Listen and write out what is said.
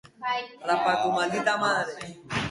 Zerbaitek ezinegona sortzen dizunean, orduan konturatzen zara.